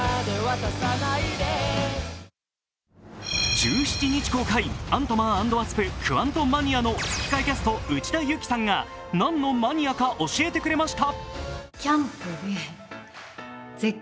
１７日公開、「アントマン＆ワスプ：クアントマニア」の吹き替えキャスト・内田有紀さんが何のマニアか教えてくれました。